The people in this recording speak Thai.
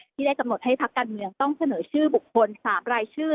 ที่ได้กำหนดให้พักการเมืองต้องเสนอชื่อบุคคล๓รายชื่อ